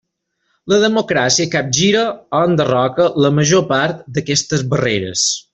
La democràcia capgira o enderroca la major part d'aquestes barreres.